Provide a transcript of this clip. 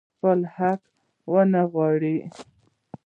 خپل حق ونه غواړي.